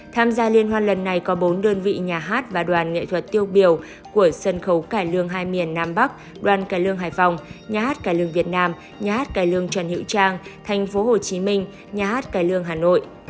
tham gia liên hoan lần này có bốn đơn vị nhà hát và đoàn nghệ thuật tiêu biểu của sân khấu cải lương hai miền nam bắc đoàn cải lương hải phòng nhà hát cải lương việt nam nhà hát cải lương trần hữu trang tp hcm nhà hát cải lương hà nội